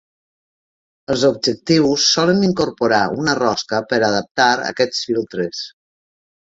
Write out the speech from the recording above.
Els objectius solen incorporar una rosca per adaptar aquests filtres.